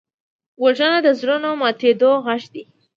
وژنه د زړونو د ماتېدو غږ دی